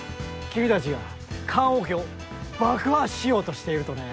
君たちが棺桶を爆破しようとしているとね。